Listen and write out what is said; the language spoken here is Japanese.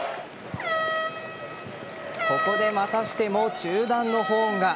ここでまたしても中断のホーンが。